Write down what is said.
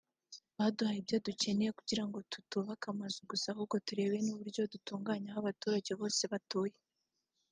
“Bwaduhaye ibyo dukeneye kugira ngo tutubaka amazu gusa ahubwo turebe n’uburyo dutunganya aho abaturage bose batuye”